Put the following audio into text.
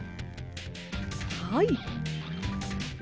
はい。